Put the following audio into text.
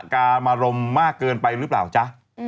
กามารมมากเกินไปหรือเปล่าจ๊ะ